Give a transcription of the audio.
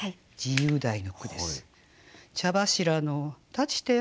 自由題の句です。